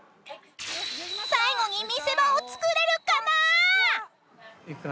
［最後に見せ場を作れるかな？］